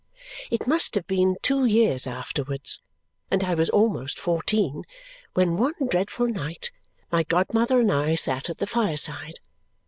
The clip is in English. It must have been two years afterwards, and I was almost fourteen, when one dreadful night my godmother and I sat at the fireside.